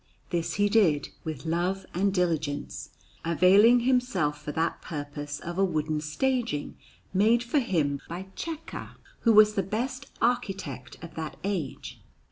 This he did with love and diligence, availing himself for that purpose of a wooden staging made for him by Cecca, who was the best architect of that age.